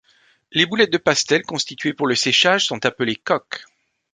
Les boulettes de pastels constitués pour le séchage sont appelées coques.